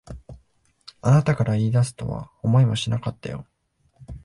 あなたから言い出すとは思いもしなかったよ。